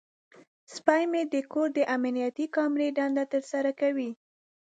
سپی مې د کور د امنیتي کامرې دنده ترسره کوي.